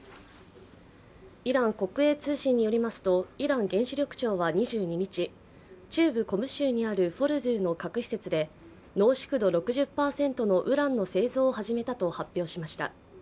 イラン国営通信によりますとイラン原子力庁は２２日中部コム州にあるフォルドゥの核施設で濃縮度６０％のウランの製造を始めたと発表しました。